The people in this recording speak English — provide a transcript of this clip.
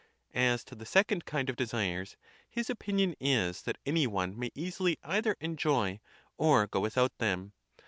As to the second kind of desires, his' opinion is that any one may easily either enjoy or go with out them.